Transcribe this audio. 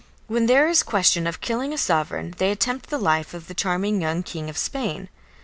When there is question of killing a sovereign they attempt the life of the charming young King of Spain.